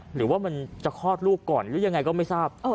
หรือว่ามันจะคลอดลูกก่อนหรือยังไงก็ไม่ทราบ